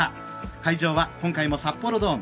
会場は今回も札幌ドーム。